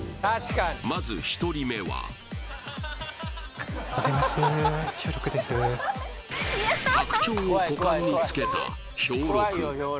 まず１人目は白鳥を股間につけたひょうろく